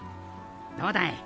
どうだい？